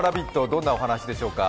どんなお話でしょうか。